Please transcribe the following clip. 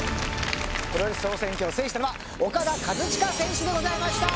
『プロレス総選挙』を制したのはオカダ・カズチカ選手でございました。